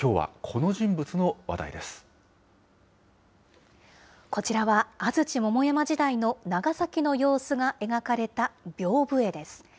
こちらは安土・桃山時代の長崎の様子が描かれたびょうぶ絵です。